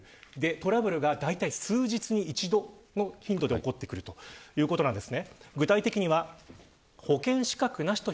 トラブルがだいたい数日に１度の頻度で起こってくるということです。